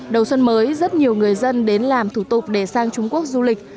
đầu xuân mới rất nhiều người dân đến làm thủ tục để sang trung quốc du lịch